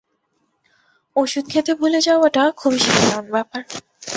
ওষুধ খেতে ভুলে যাওয়াটা খুবই সাধারণ ব্যাপার।